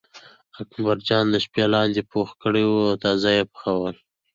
اکبرجان د شپې لاندی پوخ کړی و تازه یې پخولی.